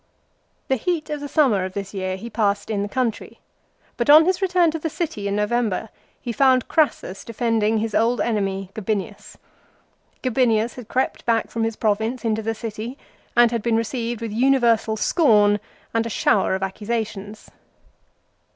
The heat of the summer of this year he passed in the country, but on his return to the city in November he found Crassus defending his old enemy Gabinius. Gabinius had crept back from his province into the city, and had been received with universal scorn and a shower of accusations.